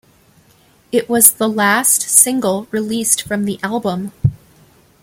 It was the last single released from the album.